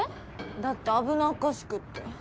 だって危なっかしくって。